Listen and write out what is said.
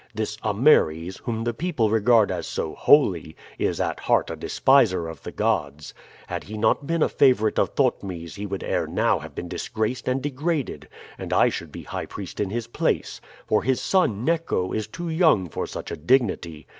This Ameres, whom the people regard as so holy, is at heart a despiser of the gods. Had he not been a favorite of Thotmes he would ere now have been disgraced and degraded, and I should be high priest in his place; for his son, Neco, is too young for such a dignity.